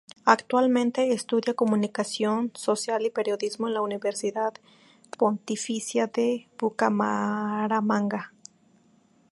Actualmente estudia Comunicación social y Periodismo en la Universidad Pontificia de Bucaramanga.